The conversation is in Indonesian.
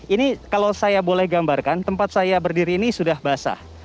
ini kalau saya boleh gambarkan tempat saya berdiri ini sudah basah